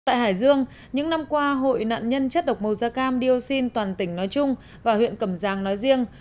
tại hải dương những năm qua hội nạn nhân chất độc màu da cam dioxin toàn tỉnh nói chung và huyện cầm giang nói riêng